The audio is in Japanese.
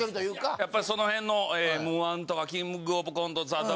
やっぱりその辺の『Ｍ−１』とか『キングオブコント』『ＴＨＥＷ』